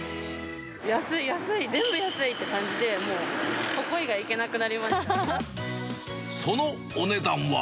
安い、安い、全部安いって感じで、もう、そのお値段は。